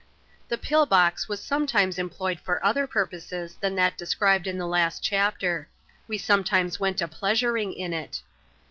^N ;¥ Thc Pill Box was sometimes employed for other purposes thin that described in the last chapter. AVe sometimes went &*pleasuring in it.